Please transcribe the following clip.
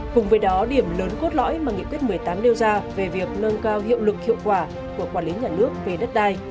cùng với đó điểm lớn cốt lõi mà nghị quyết một mươi tám nêu ra về việc nâng cao hiệu lực hiệu quả của quản lý nhà nước về đất đai